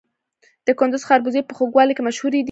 د کندز خربوزې په خوږوالي کې مشهورې دي.